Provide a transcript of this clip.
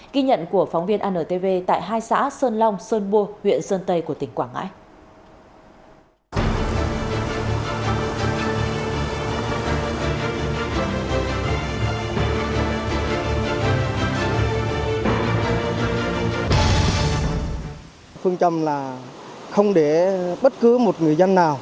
ghi nhận của phóng viên anntv tại hai xã sơn long sơn bô huyện sơn tây của tỉnh quảng ngãi